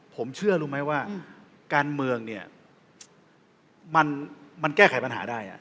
ผมเชื่อรู้ไหมว่าการเมืองเนี่ยมันแก้ไขปัญหาได้